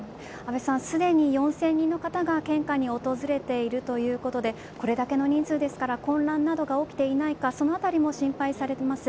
すでに４０００人の方が献花に訪れているということでこれだけの人数ですから混乱などが起きていないかその辺りも心配されます。